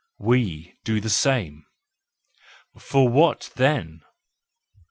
We—do the same. For what, then